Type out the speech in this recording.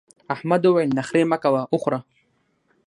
احمد وويل: نخرې مه کوه وخوره.